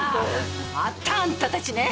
またあんたたちね。